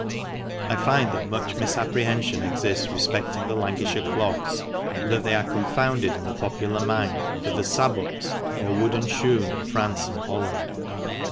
— I find that much misapprehension exists respecting the Lancashire clogs, and that they are confounded in the popular mind with the sabots or wocden shoon of France and Holland.